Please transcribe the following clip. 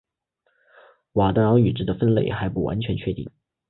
佤德昂语支的分类还不完全确定。